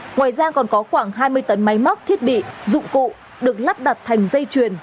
ngoài ra còn có khoảng hai mươi tấn máy móc thiết bị dụng cụ được lắp đặt thành dây chuyền